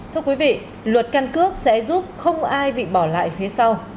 thưa quý vị luật căn cước sẽ giúp không ai bị bỏ lại phía sau